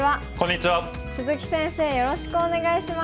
よろしくお願いします。